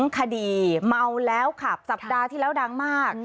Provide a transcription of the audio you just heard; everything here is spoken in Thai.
คดีเมาแล้วขับสัปดาห์ที่แล้วดังมาก